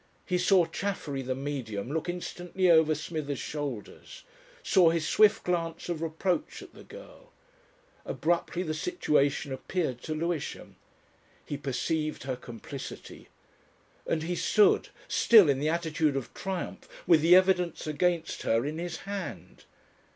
He saw Chaffery, the Medium, look instantly over Smithers' shoulders, saw his swift glance of reproach at the girl. Abruptly the situation appeared to Lewisham; he perceived her complicity. And he stood, still in the attitude of triumph, with the evidence against her in his hand!